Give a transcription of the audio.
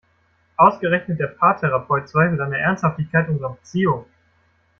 Ausgerechnet der Paartherapeut zweifelt an der Ernsthaftigkeit unserer Beziehung!